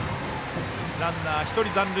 ランナー、１人残塁。